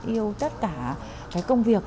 yêu tất cả công việc